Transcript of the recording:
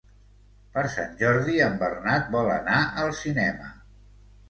Per Sant Jordi en Bernat vol anar al cinema.